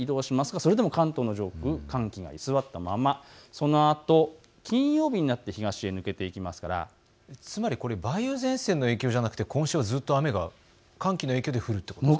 それでも関東の上空、寒気が居座ったまま、そのあと金曜日になって東へ抜けていきますから、つまり梅雨前線の影響ではなく今週ずっと寒気の影響で雨が降るということですか？